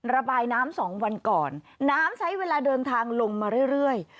ระบายน้ำสองวันก่อนน้ำใช้เวลาเดินทางลงมาเรื่อย